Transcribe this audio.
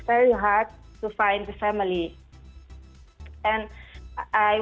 jadi sangat sulit untuk menemukan keluarga